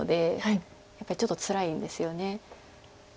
やっぱりちょっとつらいんですよね。